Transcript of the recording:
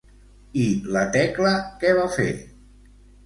I la Tecla què va fer?